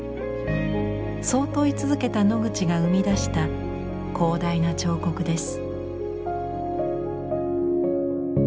そう問い続けたノグチが生み出した広大な彫刻です。